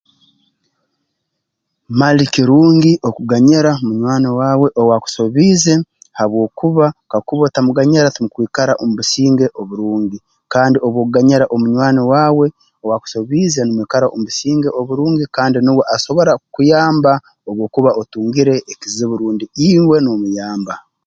Mali kirungi okuganyira munywani waawe owaakusobiize habwokuba kakuba otamuganyira tumukwikara omu businge oburungi kandi obu okuganyira omunywani waawe owaakusobiize numwikara mu businge oburungi kandi nuwe asobora kukuyamba obu okuba otungire ekizibu rundi iwe noomuyamba